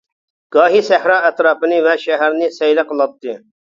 گاھى سەھرا ئەتراپىنى ۋە شەھەرنى سەيلە قىلاتتى.